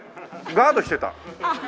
ガードしてた。